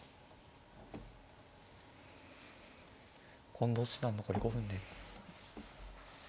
近藤七段残り５分です。